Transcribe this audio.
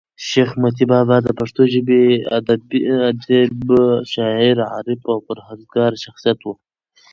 شېخ متي بابا دپښتو ژبي ادیب، شاعر، عارف او پر هېزګاره شخصیت وو.